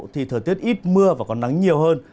thì thời tiết ít mưa và có nắng nhiều hơn